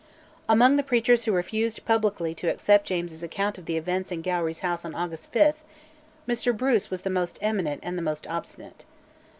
Among the preachers who refused publicly to accept James's account of the events in Gowrie's house on August 5, Mr Bruce was the most eminent and the most obstinate.